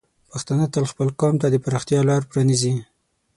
پښتانه تل خپل قوم ته د پراختیا لار پرانیزي.